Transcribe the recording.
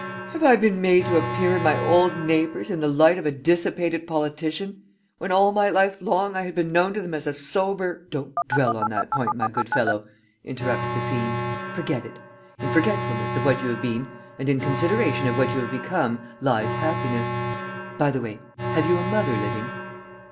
'Have I been made to appear to my old neighbours in the light of a dissipated politician when all my life long I had been known to them as a sober ' "'Don't dwell on that point, my good fellow,' interrupted the fiend. 'Forget it. In forgetfulness of what you have been, and in consideration of what you have become, lies happiness. By the way have you a mother living?'